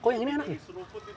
kok yang ini enak ya